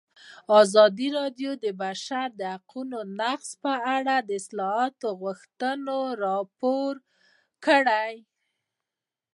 ازادي راډیو د د بشري حقونو نقض په اړه د اصلاحاتو غوښتنې راپور کړې.